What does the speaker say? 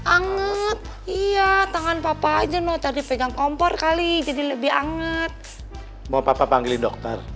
anget iya tangan papa aja no tadi pegang kompor kali jadi lebih anget mau papa panggil dokter